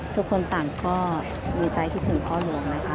ทุกคนต่างก็มีใจคิดถึงพ่อหลวงนะคะ